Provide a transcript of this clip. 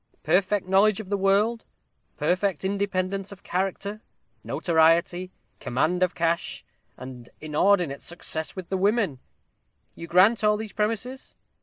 perfect knowledge of the world perfect independence of character notoriety command of cash and inordinate success with the women. You grant all these premises?